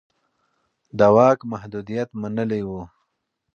ده د واک محدوديت منلی و.